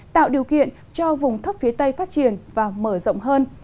tạo điều kiện cho vùng thấp phía tây phát triển và mở rộng hơn